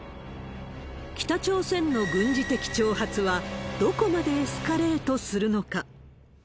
北朝鮮の軍事的挑発は、どこまでエスカレートするのか。